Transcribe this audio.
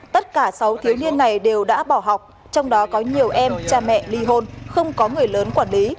tất cả sáu thiếu niên này đều đã bỏ học trong đó có nhiều em cha mẹ ly hôn không có người lớn quản lý